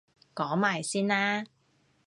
講埋先啦！